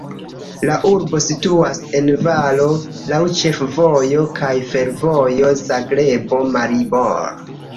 La urbo situas en valo, laŭ ĉefvojo kaj fervojo Zagrebo-Maribor.